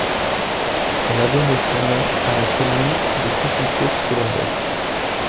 Elle a donné son nom à la commune de Tessancourt-sur-Aubette.